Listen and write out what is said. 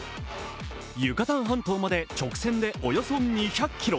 ユカタン半島まで直線でおよそ２００ｋｍ